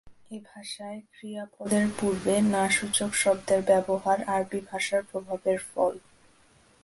এ ভাষায় ক্রিয়াপদের পূর্বে না-সূচক শব্দের ব্যবহার আরবি ভাষার প্রভাবের ফল।